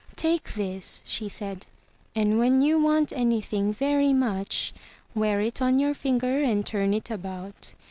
"Take this," she said, "and when you want anything very much, wear it on your finger and turn it about.